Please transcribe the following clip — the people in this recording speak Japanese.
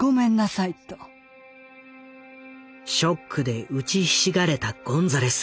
ショックで打ちひしがれたゴンザレス。